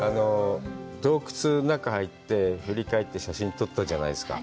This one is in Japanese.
洞窟の中に入って振り返って写真を撮ったじゃないですか。